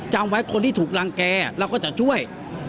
จำไว้คนที่ถูกรังแก่เราก็จะช่วย